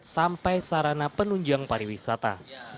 sampai sarana penunjang pariwisata